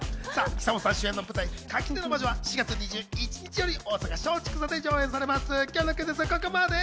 久本さん主演の舞台『垣根の魔女』は４月２１日より大阪松竹座で上演されます。